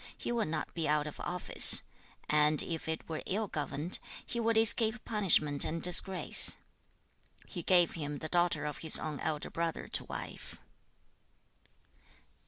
he would not be out of office, and if it were ill governed, he would escape punishment and disgrace. He gave him the daughter of his own elder brother to wife.